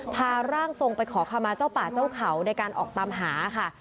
พาร่างทรงไปขอคำมาเจ้าป่าเจ้าเขาในการออกตามหาค่ะ